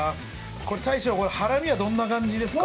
これ大将ハラミはどんな感じですか？